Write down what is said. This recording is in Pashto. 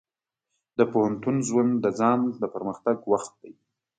د پوهنتون ژوند د ځان پرمختګ وخت دی.